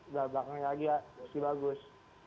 dan belakangnya lagi si bagus